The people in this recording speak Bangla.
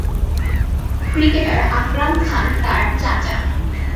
ক্রিকেটার আকরাম খান তার চাচা।